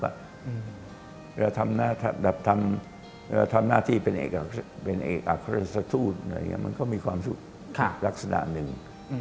เวลาทำหน้าที่เป็นเอกอัครัฐศูนย์มันก็มีความสุขลักษณะหนึ่ง